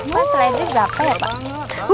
pasar rp enam berapa ya pak